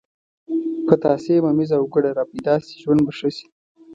پتاسې، ممیز او ګوړه را پیدا شي ژوند به ښه شي.